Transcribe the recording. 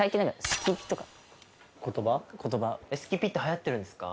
好きピってはやってるんですか？